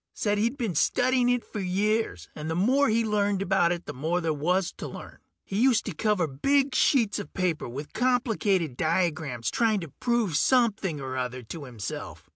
Said he'd been studying it for years, and the more he learned about it the more there was to learn. He used to cover big sheets of paper with complicated diagrams trying to prove something or other to himself.